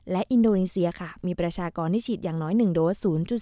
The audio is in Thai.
และอินโดนีเซียค่ะมีประชากรที่ฉีดอย่างน้อย๑โดส๐๔